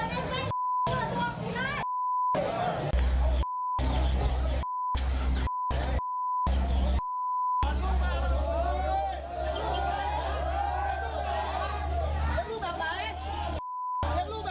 แดงรถแดง